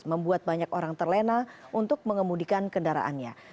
membuat banyak orang terlena untuk mengemudikan kendaraannya